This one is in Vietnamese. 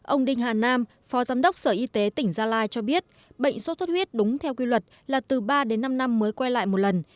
ông đinh hà nam phó giám đốc sở y tế tỉnh gia lai cho biết bệnh sốt xuất huyết đúng theo quy luật là từ ba đến năm năm mới quay lại một lần